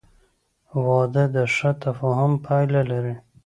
• واده د ښه تفاهم پایله لري.